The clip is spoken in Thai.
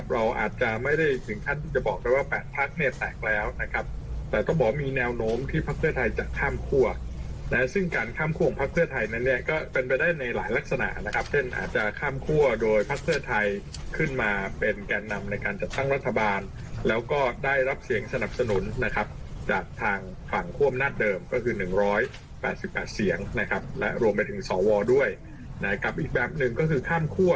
และรวมไปถึงสอวอด้วยกับอีกแบบหนึ่งก็คือข้ามคั่ว